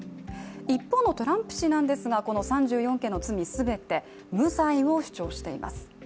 一方のトランプ氏なんですがこの３４件の罪全て、無罪を主張しています。